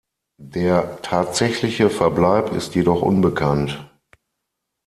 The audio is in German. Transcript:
Der tatsächliche Verbleib ist jedoch unbekannt.